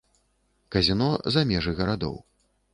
Казіно за межы гарадоў.